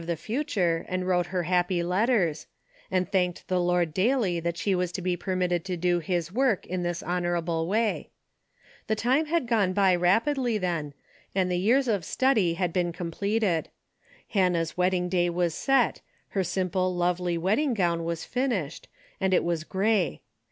the future and wrote her happy letters ; and thanked the Lord daily that she was to be permitted to do his work in this honorable way. The time had gone by rapidly then, and the years of study had been completed. Hannah's wedding day was set, her simple lovely wedding gown was finished, and it was grey.